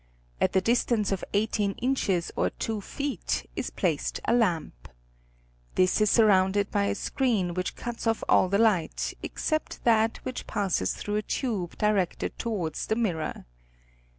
At the distance of eighteen inches or two feet is placed a lamp. This is surrounded by a screen which cuts off all the light, except that which passes through a tube directed towards the mirror.